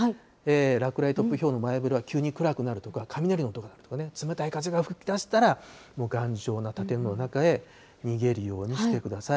落雷、突風、ひょうの前触れは、急に暗くなるとか、雷の音が鳴ったり、冷たい風が吹きだしたら、頑丈な建物の中に逃げるようにしてください。